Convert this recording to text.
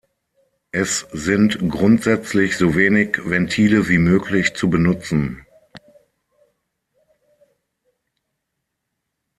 Es sind grundsätzlich so wenig Ventile wie möglich zu benutzen.